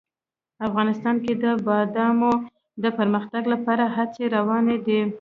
افغانستان کې د بادامو د پرمختګ لپاره هڅې روانې دي.